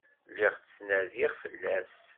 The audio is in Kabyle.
Lliɣ ttnadiɣ fell-as.